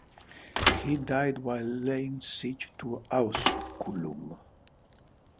He died while laying siege to Asculum.